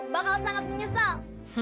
bakal sangat menyesal